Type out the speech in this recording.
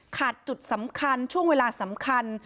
จุดสำคัญช่วงเวลาสำคัญ